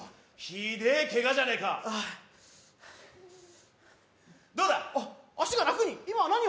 ひでえケガじゃねえかどうだあっ脚が楽に今は何を？